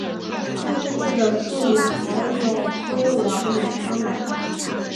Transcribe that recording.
类似的术语还有硅烷衍生而来。